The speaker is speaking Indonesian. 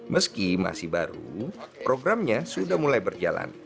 meski masih baru programnya sudah mulai berjalan